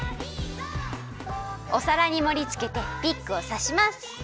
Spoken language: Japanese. おさらにもりつけてピックをさします。